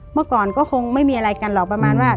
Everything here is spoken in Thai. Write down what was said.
เมื่อก่อนก็คงไม่มีอะไรกันหรอกประมาณว่า